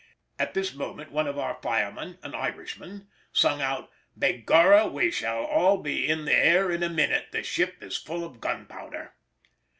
At this moment one of our firemen, an Irishman, sung out, "Begorra, we shall all be in the air in a minute, the ship is full of gunpowder!"